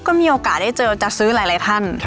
ก็มีโอกาสได้เจอจะซื้อหลายท่าน